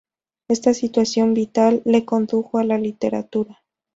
Esta situación vital le condujo a la literatura.